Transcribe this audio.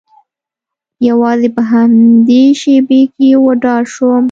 یوازې په همدې شیبې کې وډار شوم